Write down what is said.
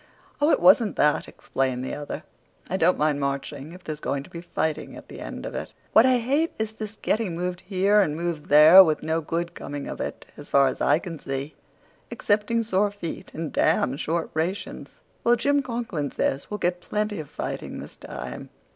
"Oh, it wasn't that," explained the other. "I don't mind marching, if there's going to be fighting at the end of it. What I hate is this getting moved here and moved there, with no good coming of it, as far as I can see, excepting sore feet and damned short rations." "Well, Jim Conklin says we'll get plenty of fighting this time."